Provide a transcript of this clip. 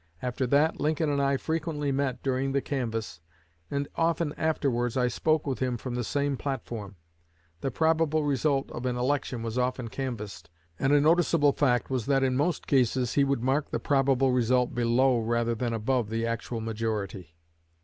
After that, Lincoln and I frequently met during the canvass, and often afterwards I spoke with him from the same platform. The probable result of an election was often canvassed, and a noticeable fact was that in most cases he would mark the probable result below rather than above the actual majority."